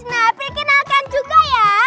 nah pilih kenalkan juga ya